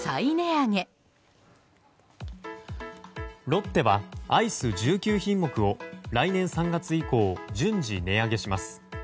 ロッテはアイス１９品目を来年３月以降順次、値上げします。